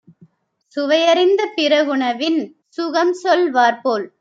சுவையறிந்த பிறகுணவின் சுகம்சொல் வார்போல்